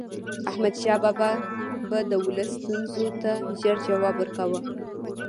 احمد شاه بابا به د ولس ستونزو ته ژر جواب ورکاوه.